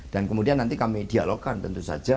dan kemudian nanti kami dialogkan tentu saja